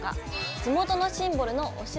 地元のシンボルのお城とか。